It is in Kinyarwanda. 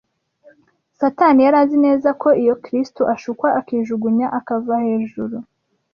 Satani yari azi neza ko iyo Kristo ashukwa akijugunya akava hejuru